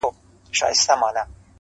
ستا پر تور تندي لیکلي کرښي وايي -